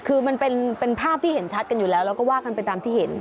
คือมันเป็นภาพที่เห็นชัดกันอยู่แล้วแล้วก็ว่ากันไปตามที่เห็น